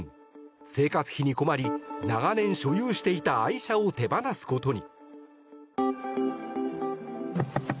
生活費に困り、長年所有していた愛車を手放すことに。